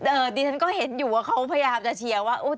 ดิฉันก็เห็นอยู่ว่าเขาพยายามจะเชียร์ว่า